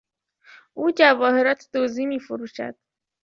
او جواهرات دزدی میفروشد.